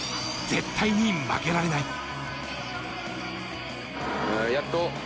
絶対に負けられない。